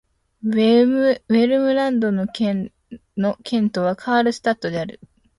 ヴェルムランド県の県都はカールスタッドである